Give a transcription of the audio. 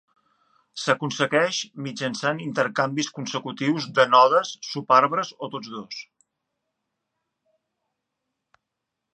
S'aconsegueix mitjançant intercanvis consecutius de nodes, subarbres o tots dos.